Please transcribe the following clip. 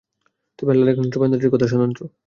তবে আল্লাহর একনিষ্ঠ বান্দাদের কথা স্বতন্ত্র।